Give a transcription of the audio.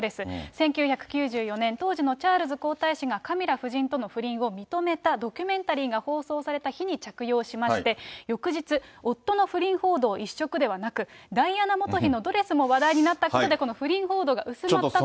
１９９４年、当時のチャールズ皇太子がカミラ夫人との不倫を認めたドキュメンタリーが放送された日に着用しまして、翌日、夫の不倫報道一色ではなく、ダイアナ元妃のドレスも話題になったことで、この不倫報道が薄まったという。